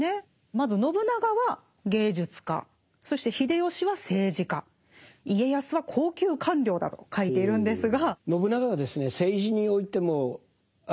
まず信長は芸術家そして秀吉は政治家家康は高級官僚だと書いているんですが。